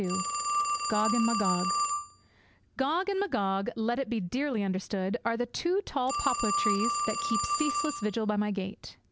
II GOG AND MAGOG Gog and Magog, let it be dearly understood, are the two tall poplar trees that keep ceaseless vigil by my gate.